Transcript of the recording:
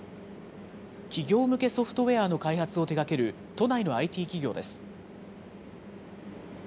企業向けソフトウエアの開発を手がける、都内のＩＴ企業です。